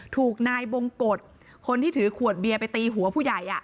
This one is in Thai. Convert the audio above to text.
ถูกนายบงกฎคนที่ถือขวดเบียร์ไปตีหัวผู้ใหญ่